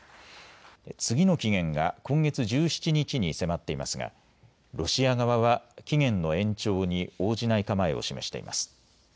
次の期限が今月１７日に迫っていますがロシア側は期限の延長に応じない構えを示しています。